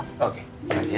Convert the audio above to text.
oke terima kasih ya